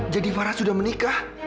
jadi farah sudah menikah